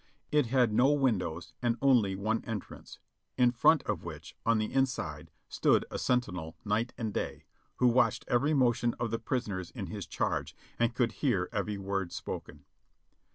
It had no windows and only one en trance, in front of which, on the inside, stood a sentinel nig ht and day, who watched every motion of the prisoners in his charge, and could hear every word spoken.